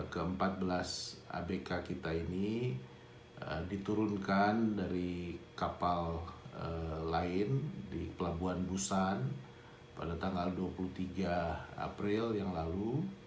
ke empat belas abk kita ini diturunkan dari kapal lain di pelabuhan busan pada tanggal dua puluh tiga april yang lalu